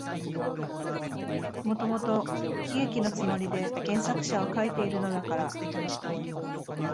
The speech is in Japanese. もともと喜劇のつもりで原作者は書いているのだから、